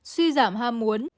suy giảm ham muốn